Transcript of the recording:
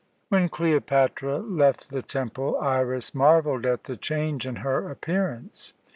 When Cleopatra left the temple, Iras marvelled at the change in her appearance.